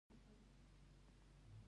اوړه په کلو کې هم پېسې کېږي